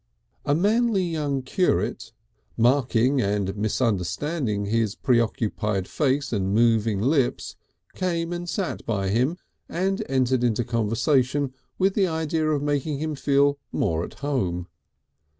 A manly young curate, marking and misunderstanding his preoccupied face and moving lips, came and sat by him and entered into conversation with the idea of making him feel more at home.